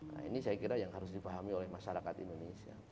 nah ini saya kira yang harus dipahami oleh masyarakat indonesia